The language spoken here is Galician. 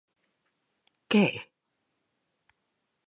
¿Que é?